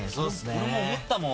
俺も思ったもん。